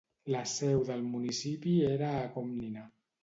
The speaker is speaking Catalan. La seu del municipi era a Komnina.